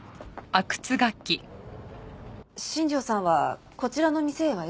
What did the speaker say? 新庄さんはこちらの店へはよく？